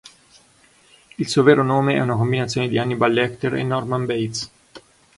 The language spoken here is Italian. Il suo vero nome è una combinazione di Hannibal Lecter e Norman Bates.